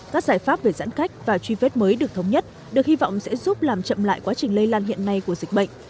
các giải pháp về giãn cách và truy vết mới được thống nhất được hy vọng sẽ giúp làm chậm lại quá trình lây lan hiện nay của dịch bệnh